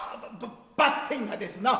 ばってんがですな